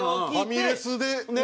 ファミレスでね。